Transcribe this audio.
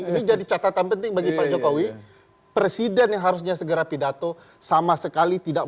ini jadi catatan penting bagi pak jokowi presiden yang harusnya segera pidato sama sekali tidak